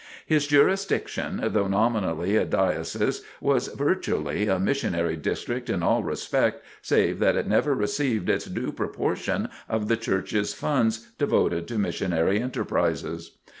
His jurisdiction, though nominally a Diocese, was virtually a Missionary District in all respects save that it never received its due proportion of the Church's funds devoted to Missionary enterprises.